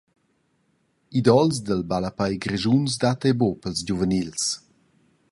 Idols dil ballapei grischuns dat ei buca per ils giuvenils.